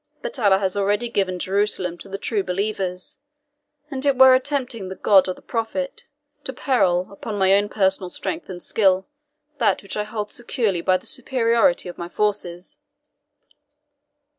But Allah has already given Jerusalem to the true believers, and it were a tempting the God of the Prophet to peril, upon my own personal strength and skill, that which I hold securely by the superiority of my forces."